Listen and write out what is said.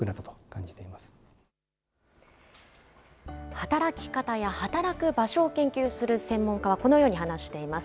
働き方や働く場所を研究する専門家は、このように話しています。